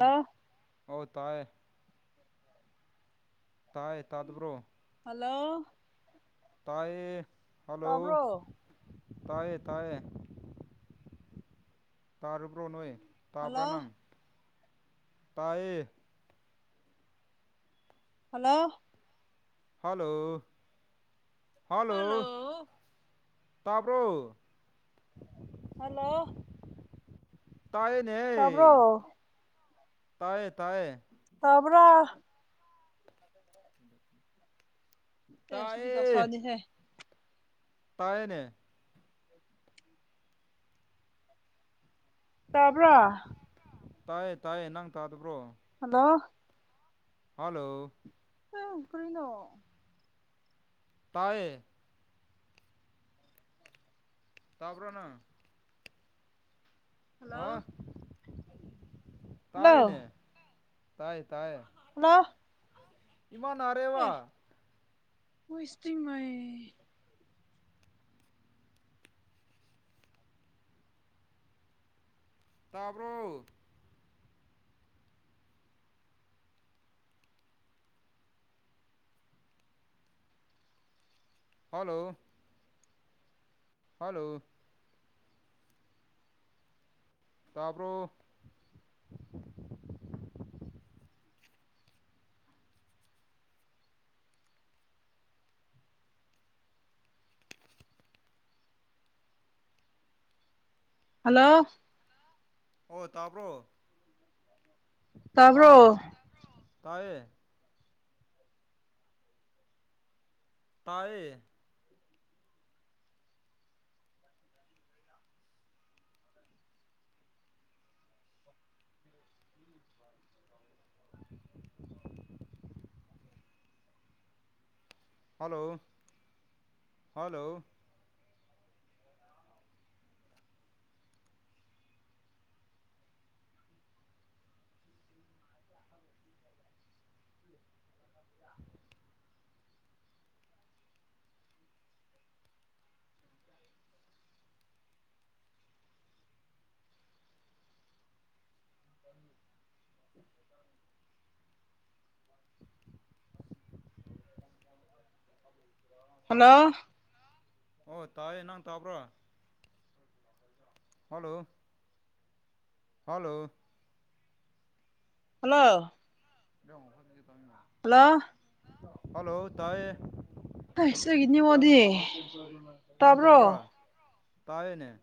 ꯑ ꯑꯧ ꯇꯥꯏꯌꯦ ꯇꯥꯏꯌꯦ ꯇꯥꯗꯕ꯭ꯔꯣ ꯍꯜꯂꯣ ꯇꯥꯏꯌꯦ ꯍꯜꯂꯣ ꯇꯥꯕ꯭ꯔꯣ ꯇꯥꯏꯌꯦ ꯇꯥꯏꯌꯦ ꯇꯥꯔꯕ꯭ꯔꯣ ꯅꯣꯏ ꯇꯕ꯭ꯔꯥ ꯍꯜꯂꯣ ꯅꯪ ꯇꯥꯏꯌꯦ ꯍꯜꯂꯣ ꯍꯥꯂꯣ ꯍꯥꯂꯣ ꯍꯜꯂꯣ ꯇꯥꯕ꯭ꯔꯣ ꯍꯜꯂꯣ ꯇꯥꯏꯌꯦꯅꯦ ꯇꯥꯕ꯭ꯔꯣ ꯇꯥꯌꯦ ꯇꯥꯌꯦ ꯇꯥꯕ꯭ꯔꯥ ꯑꯦꯁ ꯁꯤꯗꯤ ꯇꯥꯏꯌꯦ ꯗꯁꯥꯅꯤꯍꯦ ꯇꯥꯏꯌꯦꯅꯦ ꯇꯥꯕ꯭ꯔꯣ ꯇꯥꯏꯌꯦ ꯇꯥꯏꯌꯦ ꯅꯪ ꯇꯥꯗꯕ꯭ꯔꯣ ꯍꯜꯂꯣ ꯍꯜꯂꯣ [unintelligible] ꯀꯔꯤꯅꯣ ꯇꯥꯏꯌꯦ ꯇꯥꯕ꯭ꯔꯣꯅꯪ ꯍꯜꯂꯣ ꯑꯥ ꯍꯜꯂꯣ ꯇꯥꯏꯌꯦꯅꯦ ꯇꯥꯌꯦ ꯇꯥꯌꯦ ꯍꯜꯂꯣ ꯏꯃꯥ ꯅꯥꯔꯦꯕ ꯑꯣꯏ ꯁꯇ꯭ꯔꯤꯃꯩ ꯇꯥꯕ꯭ꯔꯣ ꯍꯜꯂꯣ ꯍꯜꯂꯣ ꯇꯥꯕ꯭ꯔꯣ ꯍꯜꯂꯣ ꯑꯣ ꯇꯥꯕ꯭ꯔꯣ ꯍꯥ ꯇꯥꯕ꯭ꯔꯣ ꯇꯥꯕ꯭ꯔꯣ ꯇꯥꯏꯌꯦ ꯇꯥꯏꯌꯦ [inaudible] ꯍꯜꯂꯣ ꯍꯜꯂꯣ [inaudible] ꯍꯜꯂꯣ ꯑꯣ ꯇꯥꯏꯌꯦ ꯅꯪ ꯇꯥꯕ꯭ꯔꯥ ꯍꯜꯂꯣ ꯍꯜꯂꯣ ꯍꯜꯂꯣ ꯗꯝꯃꫭ ꯐꯥꯕꯤꯒꯦ ꯇꯝꯃꯤꯉꯣ ꯍꯜꯂꯣ ꯂꫭ ꯍꯜꯂꯣ ꯇꯥꯏꯌꯦ ꯍꯥꯏꯁ ꯑꯩꯒꯤ ꯅꯪ ꯅꯤꯡꯉꯣꯗꯤ ꯇꯥꯕ꯭ꯔꯣ ꯇꯥꯌꯦꯅꯦ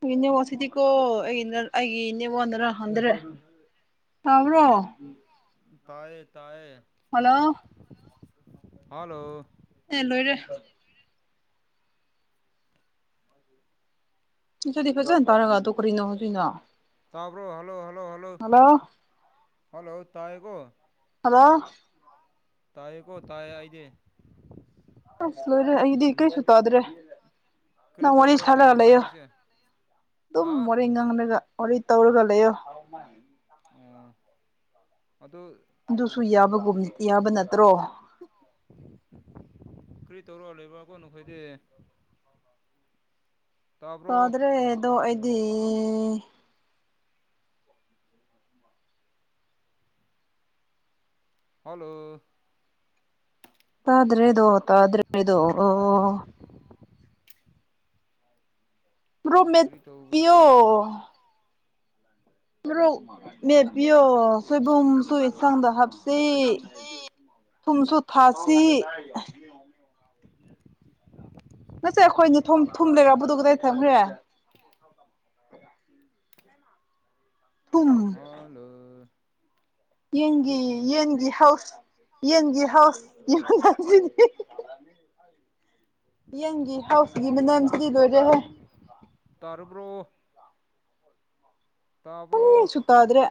ꯑꯩꯒꯤ ꯅꯦꯠꯋꯥꯛ ꯁꯤꯗꯤꯀꯣ ꯑꯩꯅꯔ ꯑꯩꯒꯤ ꯅꯦꯠꯋꯥꯛꯅꯔ ꯈꯪꯗ꯭ꯔꯦ ꯇꯥꯕ꯭ꯔꯣ ꯕ꯭ꯔꫭ ꯇꯥꯌꯦ ꯇꯥꯌꯦ ꯍꯜꯂꯣ ꯍꯜꯂꯣ ꯍꯜꯂꫭ ꯑꯦ ꯂꯣꯏꯔꯦ ꯑꯗꯨꯗꯤ ꯐꯖꯅꯥ ꯇꯥꯔꯒ ꯑꯗꯣ ꯀꯔꯤꯅ ꯑꫭꯏꯗꯨꯏꯅꫭ ꯇꯥꯕ꯭ꯔꯣ hello hello hello hello hello ꯇꯥꯥꯌꯦꯀꯣ ꯍꯜꯂꯣ ꯇꯥꯌꯦ ꯀꯣ ꯇꯥꯌꯦ ꯑꯩꯗꯤ ꯑꯁ ꯂꯣꯏꯔꯦ ꯑꯩꯗꯤ ꯀꯩꯁꯨ ꯀꯔꯤ ꯇꯥꯗ꯭ꯔꯦ ꯀꯔꯤ ꯅꯪ ꯋꯥꯔꯤ ꯇꯧꯕ꯭ꯔꯥ ꯅꯣꯏ ꯁꯥꯔꯒ ꯂꯩꯌꯣ ꯅꯦꯠꯋꯥꯛꯁꯦ ꯑꯗꯨꯝ ꯍꯥ ꯋꯥꯔꯦꯝ ꯉꯥꯡꯂꯒ ꯋꯥꯔꯤ ꯇꯧꯔꯒ ꯂꯩꯌꯣ [unintelligible] ꯎꯝ ꯑꯗꯨ ꯑꯗꯨꯁꯨ ꯌꯥꯕꯒꯨꯝ ꯌꯥꯕ ꯅꯠꯇ꯭ꯔꯣ ꯀꯔꯤ ꯇꯧꯔ ꯂꯩꯕ꯭ꯔꯥ ꯀꯣ ꯅꯈꯣꯏꯗꯤ ꯇꯥꯕ꯭ꯔꯣ ꯇꯥꯗ꯭ꯔꯦ ꯑꯗꯣ ꯑꯩꯗꯤ ꯍꯜꯂꯣ ꯇꯥꯗ꯭ꯔꯦꯗꯣ ꯇꯥꯗ꯭ꯔꯦꯗꯣ ꯑꯣ ꯔꯨꯝ ꯃꯦꯠ ꯀꯔꯤ ꯄꯤꯌꯣ ꯇꯧꯕꯖꯥꯠꯅꯣꯅꯦ ꯃꯣꯔꯣꯛ ꯃꯦꯄꯤꯌꯣ ꯁꯣꯏꯕꯨꯝꯁꯨ ꯏꯁꯥꯡꯗ ꯍꯥꯞꯁꯤ ꯊꯨꯝꯁꯨ ꯊꯥꯛꯁꯤ ꯉꯁꯥꯏ ꯑꯩꯈꯣꯏꯅ ꯊꯨꯝ ꯊꯨꯝ ꯂꯩꯔꯛꯄꯗꯨ ꯀꯗꯥꯏ ꯊꯝꯈ꯭ꯔꯦ ꯊꯨꯝ ꯍꯥꯜꯂꯣ ꯌꯦꯟꯒꯤ ꯌꯦꯟꯒꯤ ꯍꯥꯎꯁ ꯌꯦꯟꯒꯤ ꯍꯥꯎꯁ ꯌꯣꯟꯅꯕꯁꯤꯗꯤ ꯌꯦꯟꯒꯤ ꯍꯥꯎꯁꯀꯤ ꯃꯅꯝꯁꯤꯗꯤ ꯂꯣꯏꯔꯦꯍꯦ ꯇꯥꯔꯕ꯭ꯔꯣ ꯇꯥꯕ꯭ꯔꯣ ꯀꯔꯤꯁꯨ ꯇꯥꯗ꯭ꯔꯦ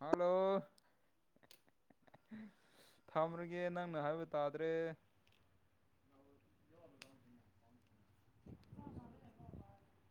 ꯍꯦꯜꯂꯣ ꯊꯝꯔꯒꯦ ꯅꯪꯅ ꯍꯥꯏꯕ ꯇꯥꯗ꯭ꯔꯦ [inaudible]